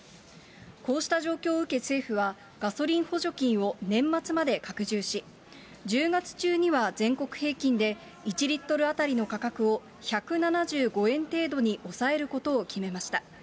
こうした状況を受け、政府は、ガソリン補助金を年末まで拡充し、１０月中には全国平均で１リットル当たりの価格を１７５円程度に抑えることを決めました。